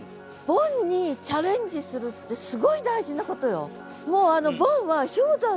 ボンにチャレンジするってすごい大事なことよ。